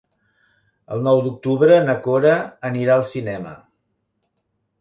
El nou d'octubre na Cora anirà al cinema.